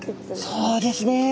そうですね。